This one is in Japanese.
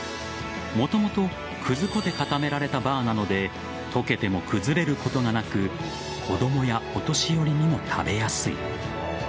もともとくず粉で固められたバーなので溶けても崩れることはなく子供やお年寄りにも食べやすい。